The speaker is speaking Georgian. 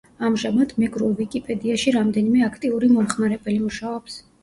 ამჟამად, მეგრულ ვიკიპედიაში რამდენიმე აქტიური მომხმარებელი მუშაობს.